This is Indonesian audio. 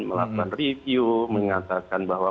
melakukan review mengatakan bahwa